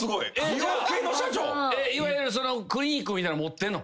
・美容系の社長！？いわゆるクリニックみたいなの持ってんの？